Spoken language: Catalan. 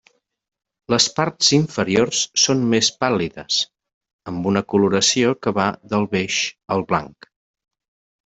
Les parts inferiors són més pàl·lides, amb una coloració que va del beix al blanc.